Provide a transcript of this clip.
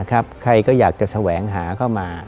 ใครก็อยากจะแสวงหาเข้ามา